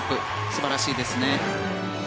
素晴らしいですね。